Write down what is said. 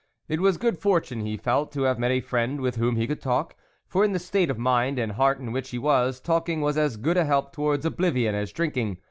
It was good fortune, he felt, to have met a friend with whom he could talk, for, in the state of mind and heart in which he was, talking was as good a help towards oblivion as drinking.